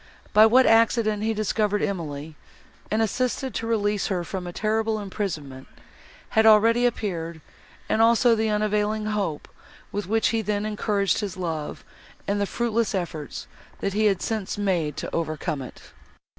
By what accident he discovered Emily, and assisted to release her from a terrible imprisonment, has already appeared, and also the unavailing hope, with which he then encouraged his love, and the fruitless efforts, that he had since made to overcome it.